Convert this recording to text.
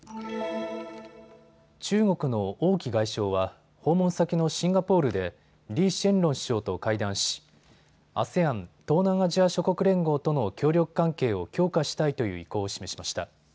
中国の王毅外相は訪問先のシンガポールでリー・シェンロン首相と会談しＡＳＥＡＮ・東南アジア諸国連合との協力関係を強化したいという意向を示しました。